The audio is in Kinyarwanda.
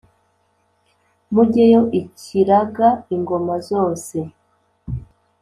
mugeyo ikiraga ingoma zose.